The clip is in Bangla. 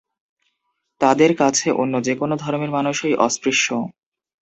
তাদের কাছে অন্য যেকোনো ধর্মের মানুষই অস্পৃশ্য।